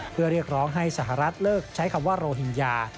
เพื่อเรียกร้องให้สหรัฐเลิกใช้คำว่าโรหิงญา